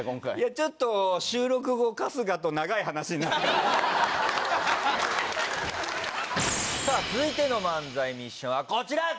ちょっと、収録後、春日と長さあ、続いての漫才ミッションはこちら。